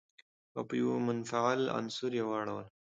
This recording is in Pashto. او په يوه منفعل عنصر يې واړوله.